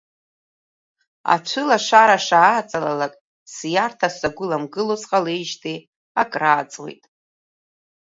Ацәылашара шааҵалалак сиарҭа сзагәыламгыло сҟалеижьҭеи акрааҵуеит.